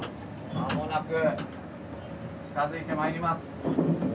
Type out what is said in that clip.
間もなく近づいてまいります。